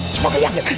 semoga yang lain